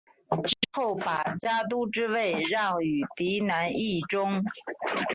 之后把家督之位让与嫡男义忠。